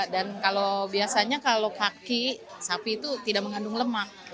dan kalau biasanya kalau kaki sapi itu tidak mengandung lemak